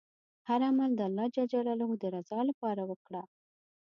هر عمل د الله ﷻ د رضا لپاره وکړه.